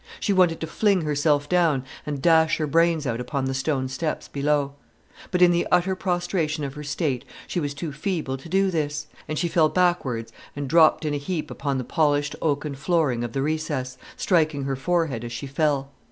She wanted to fling herself down and dash her brains out upon the stone steps below; but in the utter prostration of her state she was too feeble to do this, and she fell backwards and dropped in a heap upon the polished oaken flooring of the recess, striking her forehead as she fell.